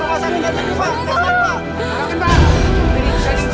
mala eva di rumah sakit